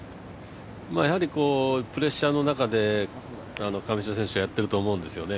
プレッシャーの中で亀代選手やっていると思うんですよね。